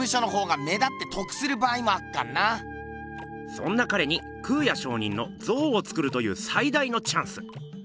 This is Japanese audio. そんなかれに空也上人の像をつくるという最大のチャンス！